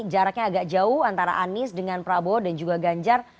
jaraknya agak jauh antara anies dengan prabowo dan juga ganjar